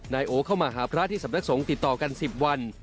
นายโอเข้ามาหาพระที่สำนักสงฆ์ติดต่อกัน๑๐วัน